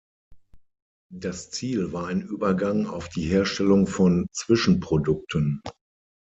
Das Ziel war ein Übergang auf die Herstellung von Zwischenprodukten.